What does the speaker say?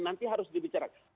nanti harus dibicarakan